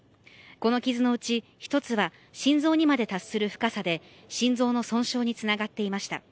この傷のうち１つは心臓にまで達する深さで心臓の損傷につながっていました。